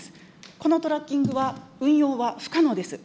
このトラッキングは、運用は不可能です。